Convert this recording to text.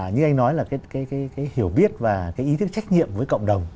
như anh nói là cái hiểu biết và cái ý thức trách nhiệm với cộng đồng